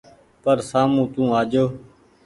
پر سآمو تو آجو ۔